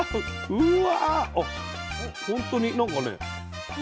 うわ！